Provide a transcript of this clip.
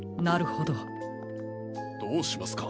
どうしますか？